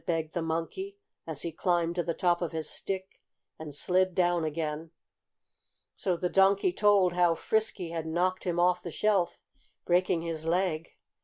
begged the Monkey, as he climbed to the top of his stick and slid down again. So the Donkey told how Frisky had knocked him off the shelf, breaking his leg.